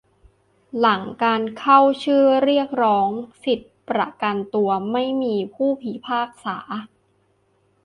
หลังการเข้าชื่อเรียกร้องสิทธิประกันตัว ไม่มีผู้พิพากษา